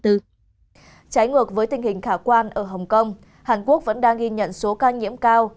trái ngược với tình hình khả quan ở hồng kông hàn quốc vẫn đang ghi nhận số ca nhiễm cao